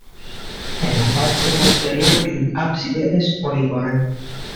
En la parte posterior, el ábside es poligonal.